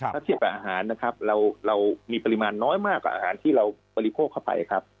ถ้าเทียบกับอาหารนะครับเรามีปริมาณน้อยมากกว่าอาหารที่เราบริโภคเข้าไปครับ